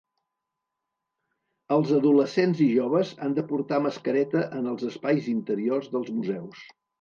Els adolescents i joves han de portar mascareta en els espais interiors dels museus.